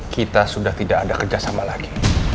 kita sudah tidak ada kerjasama lagi